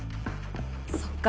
そっか。